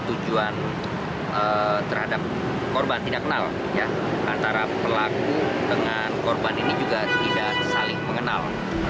tujuan terhadap korban tidak kenal antara pelaku dengan korban ini juga tidak saling mengenal